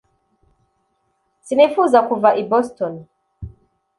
sinifuza kuva i Boston.